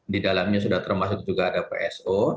di dalamnya sudah termasuk juga ada pso